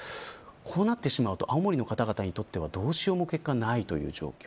こうなってしまうと青森の方々にとってはどうしようもないという状況。